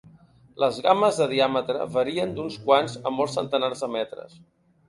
Les gammes de diàmetre varien d'uns quants a molts centenars de metres.